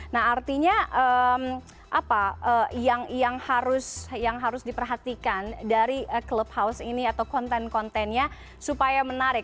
nah artinya apa yang harus diperhatikan dari clubhouse ini atau konten kontennya supaya menarik